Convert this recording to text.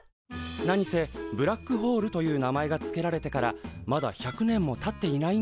何せブラックホールという名前が付けられてからまだ１００年もたっていないんです。